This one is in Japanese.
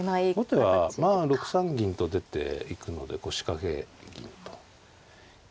後手はまあ６三銀と出ていくので腰掛け銀と。